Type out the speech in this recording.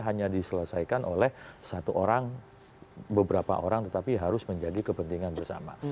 karena diselesaikan oleh satu orang beberapa orang tetapi harus menjadi kepentingan bersama